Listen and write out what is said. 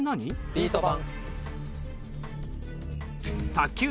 ビート板。